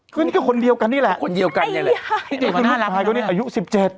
ก็นี่ก็คนเดียวกันนี่แหละคนเดียวกันนี่แหละไอ้ห้าลูกชายเขาเนี้ยอายุสิบเจ็ด